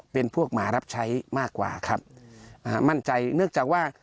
เป็นพวกหมารับใช้มากกว่าครับอ่ามั่นใจเนื่องจากว่า